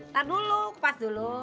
ntar dulu kupas dulu